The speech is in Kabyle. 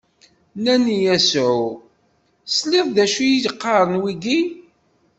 Nnan i Yasuɛ: Tesliḍ d acu i d-qqaren wigi?